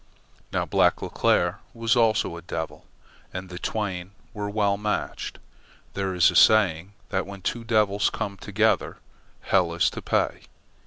Now Black Leclere was also a devil, and the twain were well matched. There is a saying that when two devils come together, hell is to pay.